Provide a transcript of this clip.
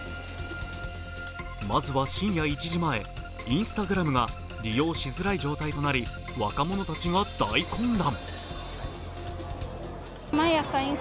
まずは、深夜１時前、Ｉｎｓｔａｇｒａｍが利用しづらい状態となり、若者たちが大混乱。